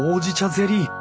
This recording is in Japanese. ゼリー！